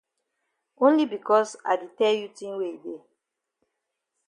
Only becos I di tell you tin wey e dey.